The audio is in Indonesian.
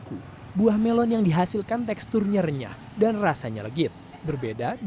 ku buah melon yang dihasilkan teksturnya renyah dan rasanya legit berbeda di